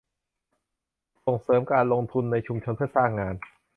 ส่งเสริมการลงทุนในชุมชนเพื่อสร้างงาน